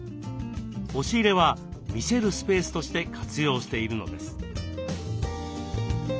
押し入れは見せるスペースとして活用しているのです。